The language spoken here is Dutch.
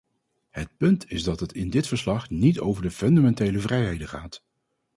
Het punt is dat het in dit verslag niet over de fundamentele vrijheden gaat.